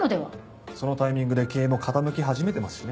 そのタイミングで経営も傾き始めてますしね。